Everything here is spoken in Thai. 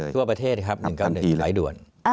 ทั่วประเทศครับ๑๙๑สายด่วน